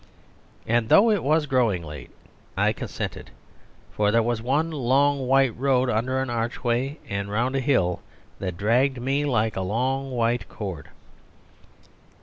And though it was growing late I consented; for there was one long white road under an archway and round a hill that dragged me like a long white cord.